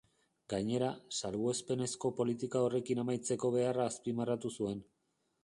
Gainera, salbuespenezko politika horrekin amaitzeko beharra azpimarratu zuen.